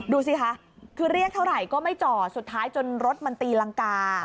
ดูสิคะคือเรียกเท่าไหร่ก็ไม่จอดสุดท้ายจนรถมันตีรังกา